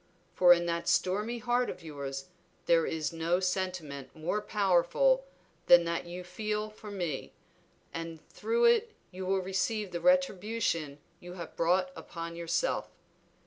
For in that stormy heart of yours there is no sentiment more powerful than that you feel for me, and through it you will receive the retribution you have brought upon yourself.